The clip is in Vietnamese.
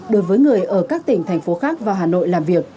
đối với người ở các tỉnh thành phố khác vào hà nội làm việc